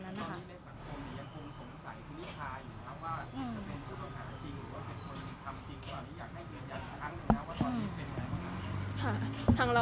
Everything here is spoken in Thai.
ข้างนึงดาว่าตอนนี้เป็นอะไร